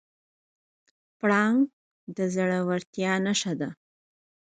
پړانګ د زړورتیا نښه ده.